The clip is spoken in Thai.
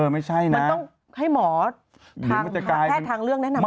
มันต้องให้หมอแพทย์ทางเรื่องแนะนำ